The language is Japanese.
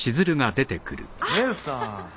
姉さん！